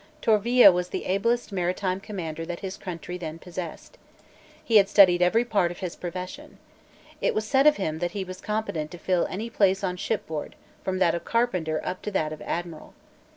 Tourville was the ablest maritime commander that his country then possessed. He had studied every part of his profession. It was said of him that he was competent to fill any place on shipboard from that of carpenter up to that of admiral.